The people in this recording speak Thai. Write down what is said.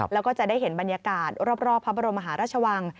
แล้วก็จะได้เห็นบรรยากาศรอบพระบรมมหาราชวัง